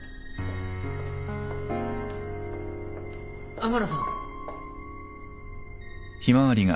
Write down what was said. ・天野さん。